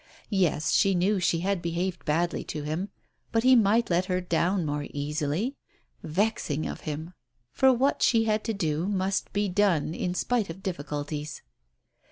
Yes, she knew she had behaved badly to him, but he might let her down more easily I Vexing of him I For what she had to do, must be done, in spite of difficulties.